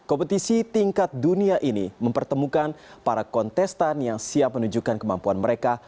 kompetisi tingkat dunia ini mempertemukan para kontestan yang siap menunjukkan kemampuan mereka